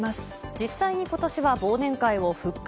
実際にことしは忘年会を復活